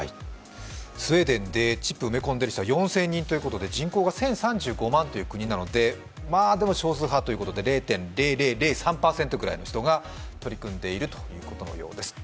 スウェーデンでチップを埋め込んでいる人が４０００人ということで、人口が１０３５万という国なので少数派ということで０．０００３％ぐらいの人が取り組んでいるということのようです。